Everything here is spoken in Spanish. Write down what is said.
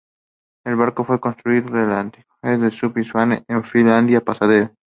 El barco fue construido en el astillero Sun Shipbuilding en Filadelfia, Pasadena.